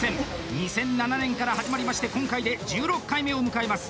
２００７年から始まりまして今回で１６回目を迎えます。